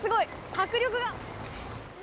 迫力が。